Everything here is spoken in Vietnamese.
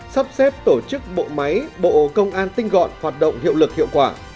sắp xếp tổ chức bộ máy bộ công an tinh gọn hoạt động hiệu lực hiệu quả